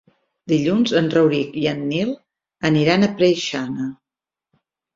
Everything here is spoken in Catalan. Dilluns en Rauric i en Nil aniran a Preixana.